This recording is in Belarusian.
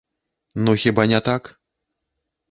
Ну хіба не так?